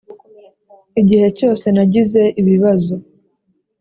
igihe cyose nagize ibibazo